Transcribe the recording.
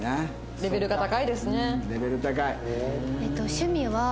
レベル高い。